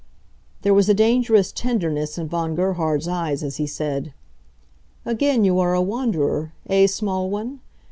There was a dangerous tenderness in Von Gerhard's eyes as he said: "Again you are a wanderer, eh small one?